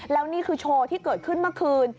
แล้วนี่คือโชว์ที่เกิดขึ้นเมื่อคืน